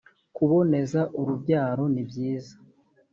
kuboneza urubyaro nibyiza